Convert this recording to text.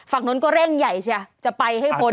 ฝั่งนั้นก็เร่งใหญ่ใช่ไหมจะไปให้บนไง